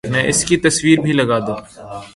اس کی تصویر بھی لگا دو